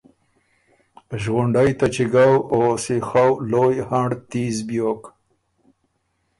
ݫغُنډئ ته چِګؤ او سیخؤ لویٛ هنړ تیز بیوک۔